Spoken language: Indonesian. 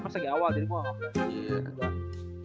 pas lagi awal jadi gue nganggap